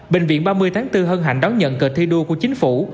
bệnh viện ba mươi tháng bốn hân hạnh đón nhận cờ thi đua của chính phủ